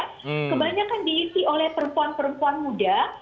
kebanyakan diisi oleh perempuan perempuan muda